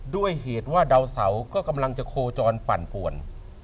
ด้วยเหตุว่าดาวเสาก็กำลังจะโคจรปั่นป่วน